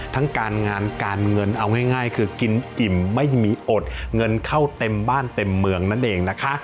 ทั้งการงานการเงินเอาง่ายคือกินอิ่มไม่มีอดเงินเข้าเต็มบ้านเต็มเมืองนั่นเองนะคะ